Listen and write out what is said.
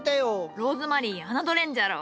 ローズマリー侮れんじゃろう。